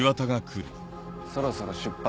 そろそろ出発。